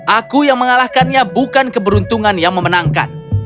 aku yang mengalahkannya bukan keberuntungan yang memenangkan